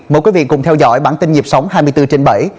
mời quý vị cùng theo dõi bản tin nhịp sống hai mươi bốn trên bảy